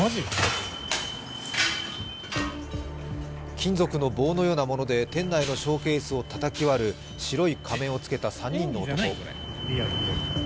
金属の棒のようなもので店内のショーケースをたたき割る白い仮面を着けた３人の男。